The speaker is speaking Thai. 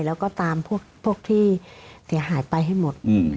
ไปตามพวกที่เสียหายไปให้หมด